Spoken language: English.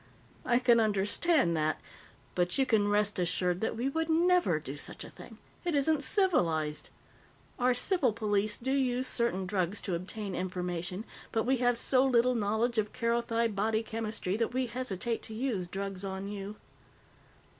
"I can understand that. But you can rest assured that we would never do such a thing. It isn't civilized. Our civil police do use certain drugs to obtain information, but we have so little knowledge of Kerothi body chemistry that we hesitate to use drugs on you."